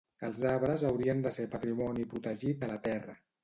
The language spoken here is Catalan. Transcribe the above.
Els arbres haurien de ser patrimoni protegit de la Terra